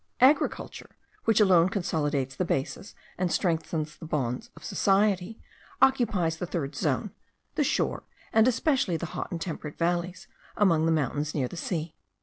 Agriculture, which alone consolidates the bases, and strengthens the bonds of society, occupies the third zone, the shore, and especially the hot and temperate valleys among the mountains near the sea.